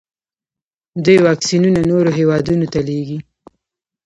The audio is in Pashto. دوی واکسینونه نورو هیوادونو ته لیږي.